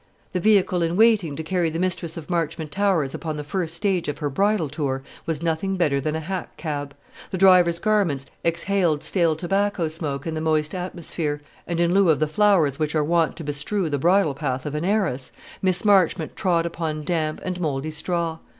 The vehicle in waiting to carry the mistress of Marchmont Towers upon the first stage of her bridal tour was nothing better than a hack cab. The driver's garments exhaled stale tobacco smoke in the moist atmosphere, and in lieu of the flowers which are wont to bestrew the bridal path of an heiress, Miss Marchmont trod upon damp and mouldy straw.